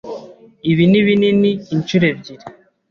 Ibi ni binini inshuro ebyiri.